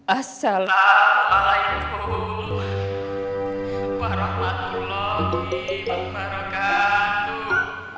assalamualaikum warahmatullahi wabarakatuh